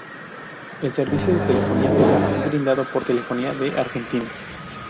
El servicio de telefonía fija, es brindado por Telefónica de Argentina.